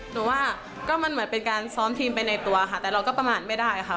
หนูว่าก็มันเหมือนเป็นการซ้อมทีมไปในตัวค่ะแต่เราก็ประมาณไม่ได้ค่ะ